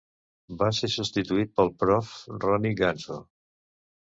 Va ser substituït pel prof. Roni Gamzo.